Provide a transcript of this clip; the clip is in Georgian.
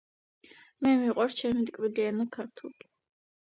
მე მიყვარს ჩემი ტკბილი ენა ქართული.